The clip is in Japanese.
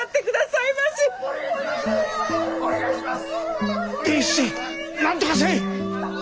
伝七なんとかせい！